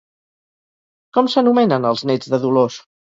Com s'anomenen els nets de Dolors?